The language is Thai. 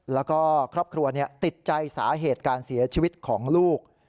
แล้วก็ครอบครัวติดใจสาเหตุการเสียชีวิตของลูก